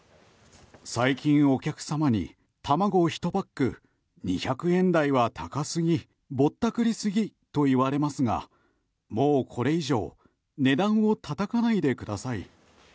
最近、お客様に卵１パック２００円台は高すぎぼったくりすぎと言われますがもうこれ以上値段をたたかないでください。